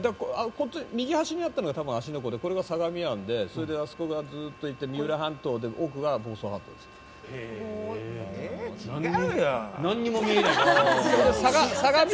右端にあったのが多分、芦ノ湖でこれが相模湾でそれであそこがずっと行って三浦半島で奥が房総半島です。え？